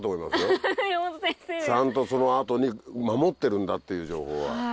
ちゃんとその後に守ってるんだっていう情報は。